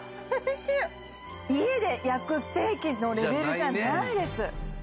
家で焼くステーキのレベルじゃないです。